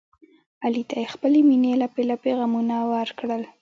علي ته یې خپلې مینې لپې لپې غمونه ورکړل.